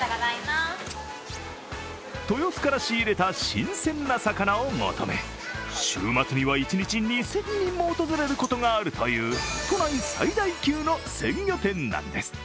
豊洲から仕入れた新鮮な魚を求め、週末には一日２０００人も訪れることがあるという都内最大級の鮮魚店なんです。